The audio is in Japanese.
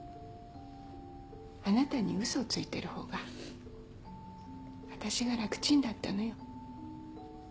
あなたに嘘をついてる方が私が楽ちんだったのよ